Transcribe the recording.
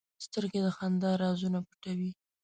سترګې د خندا رازونه پټوي